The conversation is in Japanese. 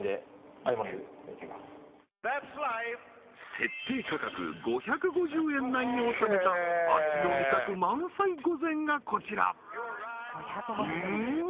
設定価格５５０円内におさめた秋の味覚満載御膳がこちらうん！